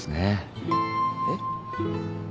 えっ？